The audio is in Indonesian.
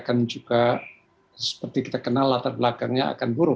kita juga tidak bisa hanya berspekulasi akan juga seperti kita kenal latar belakangnya akan buruk